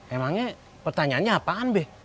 emangnya pertanyaannya apaan be